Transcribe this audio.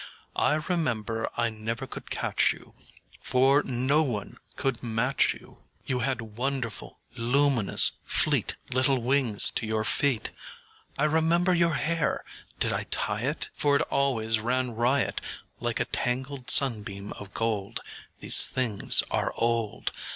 I remember I never could catch you, For no one could match you, You had wonderful, luminous, fleet, Little wings to your feet. I remember your hairâdid I tie it? For it always ran riotâ Like a tangled sunbeam of gold: These things are old.